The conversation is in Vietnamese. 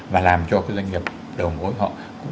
và làm cho cái doanh nghiệp đầu mối họ